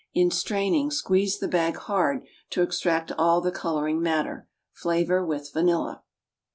In straining, squeeze the bag hard to extract all the coloring matter. Flavor with vanilla.